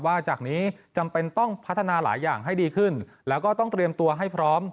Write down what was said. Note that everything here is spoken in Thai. จากนี้จำเป็นต้องพัฒนาหลายอย่างให้ดีขึ้นแล้วก็ต้องเตรียมตัวให้พร้อม